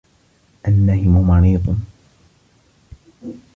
النَّهِمُ مَرِيضٌ.